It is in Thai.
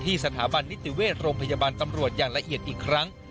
สถาบันนิติเวชโรงพยาบาลตำรวจอย่างละเอียดอีกครั้ง